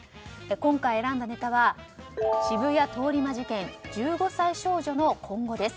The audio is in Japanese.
今回選んだネタは渋谷通り魔事件１５歳少女の今後です。